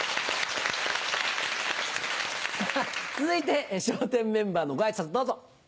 続いて笑点メンバーのご挨拶どうぞ。